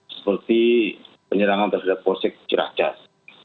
seperti penyerangan terhadap polsek ciracas